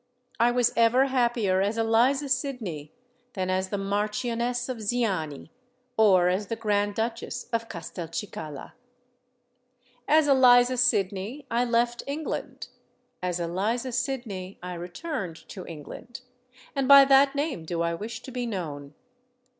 I was ever happier as Eliza Sydney, than as the Marchioness of Ziani, or as the Grand Duchess of Castelcicala. As Eliza Sydney I left England: as Eliza Sydney I returned to England;—and by that name do I wish to be known.